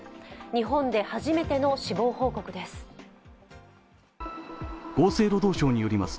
日本で初めての死亡報告です。